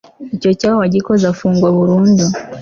icyo cyaha uwagikoze afungwa burundu